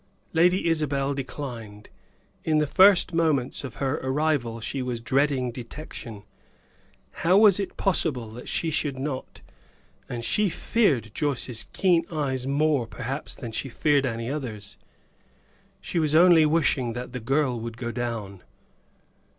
Lady Isabel declined. In the first moments of her arrival she was dreading detection how was it possible that she should not and she feared Joyce's keen eyes more, perhaps than she feared any others. She was only wishing that the girl would go down.